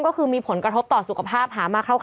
ก็คือมีผลกระทบต่อสุขภาพหามาคร่าว